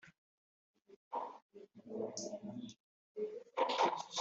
biramutse bigaragajwe ko afite ibindi